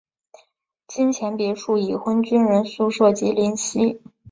金钱别墅已婚军人宿舍及林夕。